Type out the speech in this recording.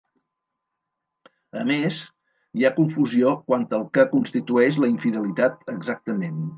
A més, hi ha confusió quant al que constitueix la infidelitat exactament.